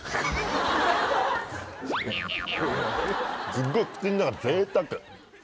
すごい口の中ぜいたく。